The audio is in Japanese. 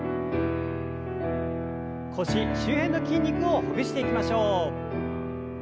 腰周辺の筋肉をほぐしていきましょう。